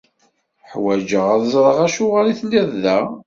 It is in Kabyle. Ḥwajeɣ ad ẓreɣ acuɣer i telliḍ da.